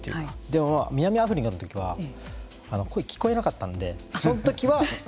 でも、南アフリカのときは声聞こえなかったんでその時は。